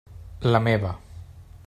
La meva.